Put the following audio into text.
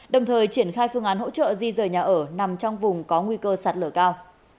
đồng thời triển khai phương án hỗ trợ di rời nhà ở nằm trong vùng có nguy cơ sạt lở cao